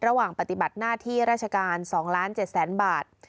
ระหว่างปฏิบัติหน้าที่ราชการ๒๗๐๐๐๐บาท